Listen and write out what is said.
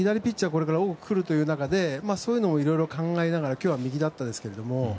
これから多く来る中でそういうのも多く考えながら今日は右だったんですけど。